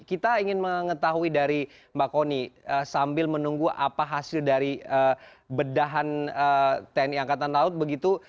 kita ingin mengetahui dari mbak kony sambil menunggu apa hasil dari bedahan tni angkatan laut begitu